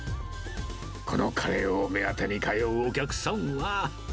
このカレーを目当てに通うお客さんは。